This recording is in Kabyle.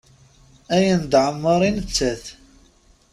Ayen d-ɛemmer i nettat.